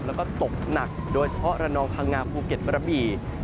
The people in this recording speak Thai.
และก็ตกหนักโดยเฉพาะระนองคางาภูเก็ตบริบิ